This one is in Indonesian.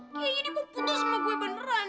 kayaknya dia mau putus sama gue beneran